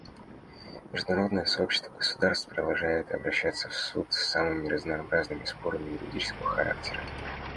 Международное сообщество государств продолжает обращаться в Суд с самыми разнообразными спорами юридического характера.